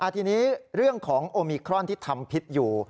ทีนี้เรื่องของโอมิครอนที่ทำพิษอยู่